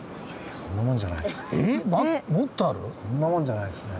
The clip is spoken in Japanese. そんなもんじゃないですね。